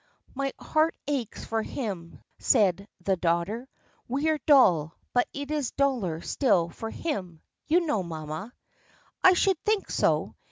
"My heart aches for him," said the daughter. "We are dull, but it is duller still for him, you know, mamma." "I should think so!